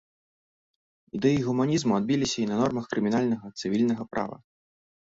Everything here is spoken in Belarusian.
Ідэі гуманізму адбіліся і на нормах крымінальнага, цывільнага права.